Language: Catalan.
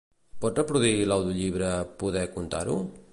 Pots reproduir l'audiollibre "Poder contar-ho"?